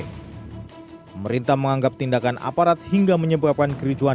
pemerintah menganggap tindakan aparat hingga menyebabkan kericuan